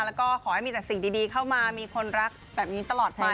แล้วก็ขอให้มีแต่สิ่งดีเข้ามามีคนรักแบบนี้ตลอดไป